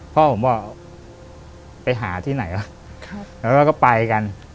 พ่อผมบอกไปหาที่ไหนล่ะแล้วก็ไปกัน